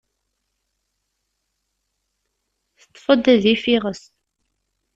Teṭṭef-d adif iɣes.